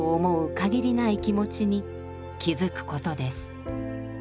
限りない気持ちに気づくことです。